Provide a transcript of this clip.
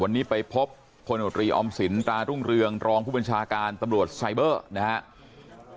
วันนี้ไปพบพลโนตรีออมสินตรารุ่งเรืองรองผู้บัญชาการตำรวจไซเบอร์นะครับ